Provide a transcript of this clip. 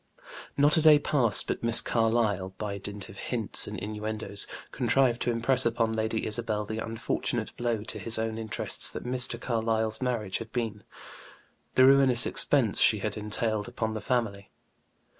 Not a day passed but Miss Carlyle, by dint of hints and innuendoes, contrived to impress upon Lady Isabel the unfortunate blow to his own interests that Mr. Carlyle's marriage had been, the ruinous expense she had entailed upon the family.